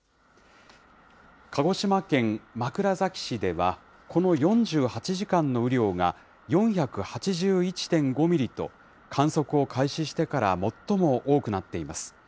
鹿児島県枕崎市では、この４８時間の雨量が４８１．５ミリと、観測を開始してから最も多くなっています。